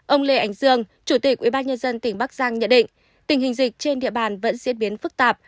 ông lê ánh dương chủ tịch ubnd tỉnh bắc giang nhận định tình hình dịch trên địa bàn vẫn diễn biến phức tạp